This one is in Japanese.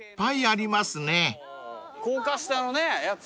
高架下のやつ